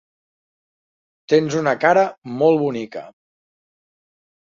Tens una cara molt bonica.